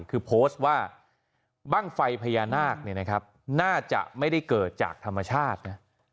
คือโพสต์ว่าบ้างไฟพญานาคน่าจะไม่ได้เกิดจากธรรมชาตินะ